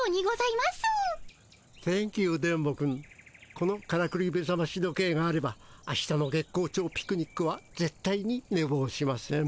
このからくりめざまし時計があればあしたの月光町ピクニックはぜっ対にねぼうしません。